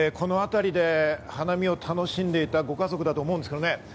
このあたりで花見を楽しんでいたご家族だと思うんですけどね。